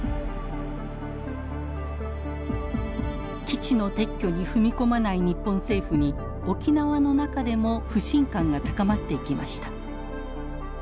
基地の撤去に踏み込まない日本政府に沖縄の中でも不信感が高まっていきました。